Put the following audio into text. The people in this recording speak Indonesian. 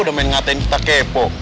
udah main ngatain kita kepo